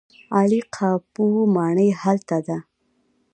عالي قاپو ماڼۍ هلته ده.